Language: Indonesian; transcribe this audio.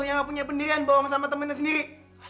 yang gak punya pendirian bohong sama temennya sendiri